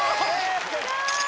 すごーい！